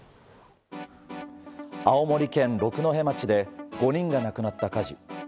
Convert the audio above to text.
青森県六戸町で５人が亡くなった火事。